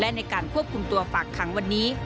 และในการควบคุมตัวฝากขังวันนี้